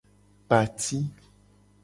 Kpa ati.